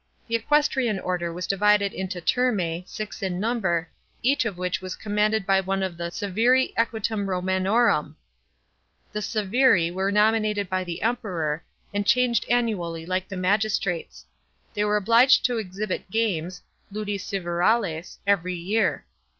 The equestrian order was divided into turmx, six in number, each of which was commanded by one of the seviri equitum Romanorum (i Aa/a^oi). The seviri were nominated by the Emperor, and changed annually like the magistrates. They were obliged to exhibit games Qudi sevirales) every year.